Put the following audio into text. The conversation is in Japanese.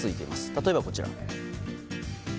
例えば、こちら。